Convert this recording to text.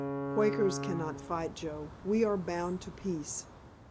"Quakers cannot fight, Joe. We are bound to peace."